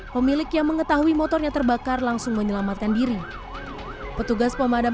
pemilik yang mengetahui motornya terbakar langsung menyelamatkan diri petugas pemadam